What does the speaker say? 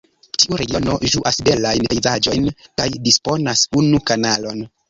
Tiu regiono ĝuas belajn pejzaĝojn kaj disponas unu kanalon.